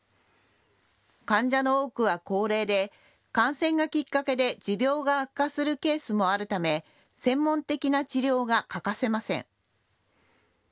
患者の多くは高齢で感染がきっかけで持病が悪化するケースもあるため専門的な治療が欠かせません。